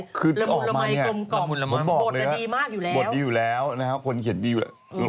รมุนละไม่กรมกร่องมูดอ่ะดีมากอยู่แล้วอ่ะผู้อำกับพรุษไทยซึ่งมาก